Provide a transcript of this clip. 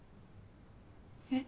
えっ？